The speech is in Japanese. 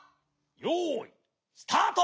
よいスタート！